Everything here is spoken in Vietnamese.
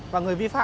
và người vi phạm